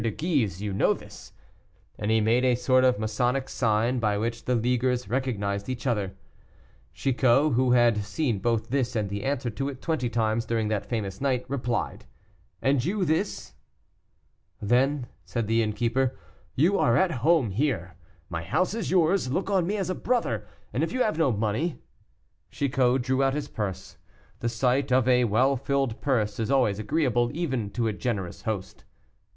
de Guise, you know this;" and he made a sort of masonic sign by which the leaguers recognized each other. Chicot, who had seen both this and the answer to it twenty times during that famous night, replied, "And you this?" "Then," said the innkeeper, "you are at home here; my house is yours, look on me as a brother, and if you have no money " Chicot drew out his purse. The sight of a well filled purse is always agreeable, even to a generous host.